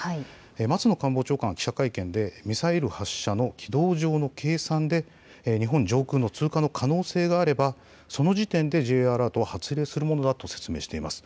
松野官房長官は記者会見でミサイル発射の軌道上の計算で日本上空の通過の可能性があればその時点でＪアラートを発令するものだと説明しています。